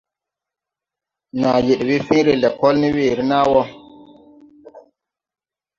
Nàa yed we fẽẽre lɛkɔl ne weere nàa wɔ.